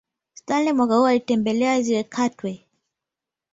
Stanley mwaka huo alitembelea Ziwa Katwe